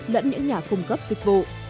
lẫn những nhà phùng cấp dịch vụ